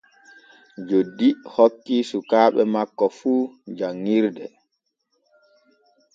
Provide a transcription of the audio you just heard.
Joddi hokkii sukaaɓe makko fu janŋirde.